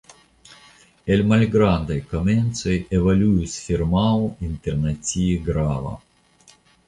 El malgrandaj komencoj evoluis firmao internacie grava.